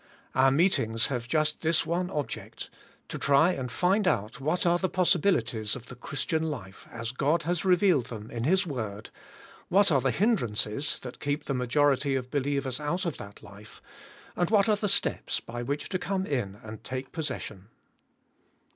Our meetings have just this one object: to try and find out what are the possibilities of the Christian life as God has revealed them in His word, what are the hind rances that keep the majority of believers out of that life, and what are the steps by which to come in and take possession.